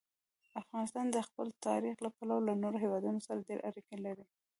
افغانستان د خپل تاریخ له پلوه له نورو هېوادونو سره ډېرې اړیکې لري.